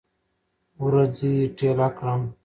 ورځې ټیله کړم